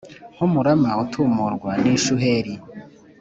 nk’umurama utumurwa n’ishuheri’